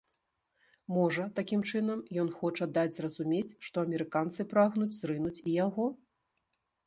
Можа, такім чынам ён хоча даць зразумець, што амерыканцы прагнуць зрынуць і яго?